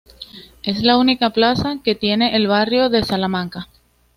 Es la única plaza que tiene el barrio de Salamanca.